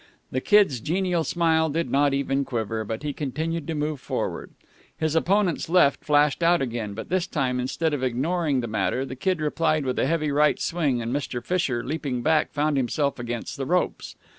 The Kid's genial smile did not even quiver, but he continued to move forward. His opponent's left flashed out again, but this time, instead of ignoring the matter, the Kid replied with a heavy right swing, and Mr. Fisher leaping back, found himself against the ropes.